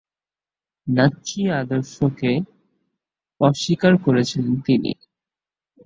Nazi আদর্শকে অস্বীকার করেছিলেন তিনি।